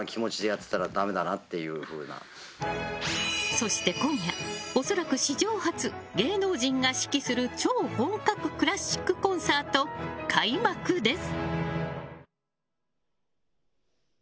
そして今夜、恐らく史上初芸能人が指揮する超本格クラシックコンサート開幕です。